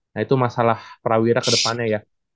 nah itu masalah prawira kedepannya ya